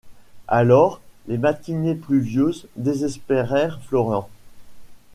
Alors, les matinées pluvieuses désespérèrent Florent.